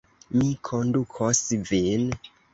Mi kondukos vin.